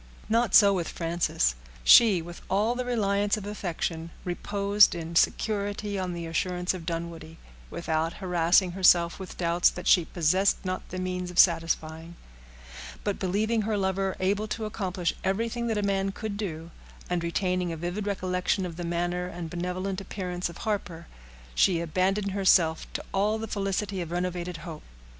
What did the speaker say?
Not so with Frances. She, with all the reliance of affection, reposed in security on the assurance of Dunwoodie, without harassing herself with doubts that she possessed not the means of satisfying; but believing her lover able to accomplish everything that man could do, and retaining a vivid recollection of the manner and benevolent appearance of Harper, she abandoned herself to all the felicity of renovated hope.